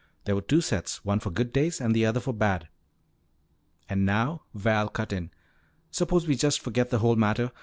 There were two sets, one for good days and the other for bad." "And now," Val cut in, "suppose we just forget the whole matter.